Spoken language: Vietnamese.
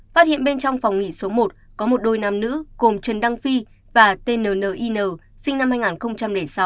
phát hiện bên trong phòng nghỉ số một có một đôi nam nữ gồm trần đăng phi và tning sinh năm hai nghìn sáu